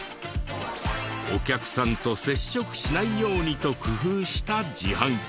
お客さんと接触しないようにと工夫した自販機だった。